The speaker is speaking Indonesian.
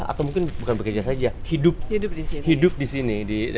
atau mungkin bukan bekerja saja hidup di sini